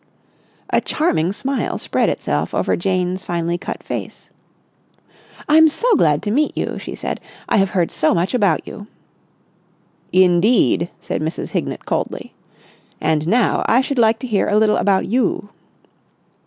A charming smile spread itself over Jane's finely cut face. "I'm so glad to meet you," she said. "I have heard so much about you." "Indeed?" said Mrs. Hignett coldly. "And now I should like to hear a little about you."